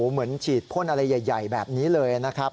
เหมือนฉีดพ่นอะไรใหญ่แบบนี้เลยนะครับ